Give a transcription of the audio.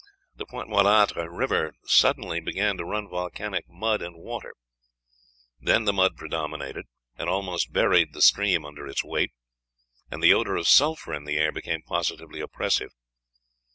The Pointe Mulâtre River suddenly began to run volcanic mud and water; then the mud predominated, and almost buried the stream under its weight, and the odor of sulphur in the air became positively oppressive.